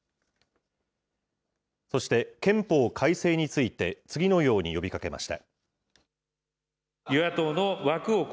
そして、憲法改正について次のように呼びかけました。